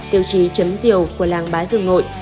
tiêu chí chấm diều của làng bá dương nội